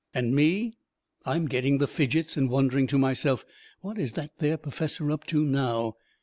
And me, I'm getting the fidgets and wondering to myself, "What is that there perfessor up to now?